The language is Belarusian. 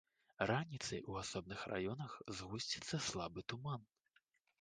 Раніцай у асобных раёнах згусціцца слабы туман.